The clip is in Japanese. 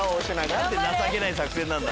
何て情けない作戦なんだ。